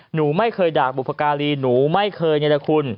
หนูไม่เคยด่าบุภการีหนูไม่เคยเงียดคุณ